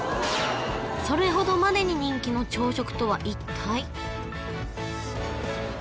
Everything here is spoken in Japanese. それほどまでに人気の朝食とは一体？